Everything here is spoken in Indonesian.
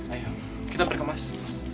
ayo kita berkemas